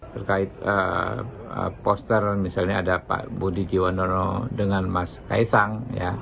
terkait poster misalnya ada pak budi jiwa dengan mas kaisang